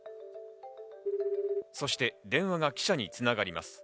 そして電話が記者に繋がります。